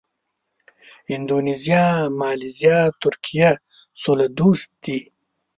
اندونیزیا، مالیزیا، ترکیه سوله دوست دي.